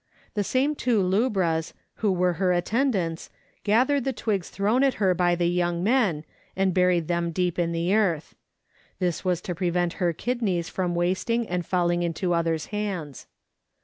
The same two lubras, who were her attendants, gathered the twigs thrown at her by the young men, and buried them deep in the earth. (This was to prevent her kidneys from wasting and falling into others' hands.)